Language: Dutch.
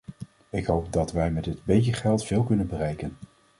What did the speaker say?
Ik hoop dat wij met dit beetje geld veel kunnen bereiken.